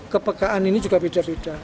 kepekaan ini juga beda beda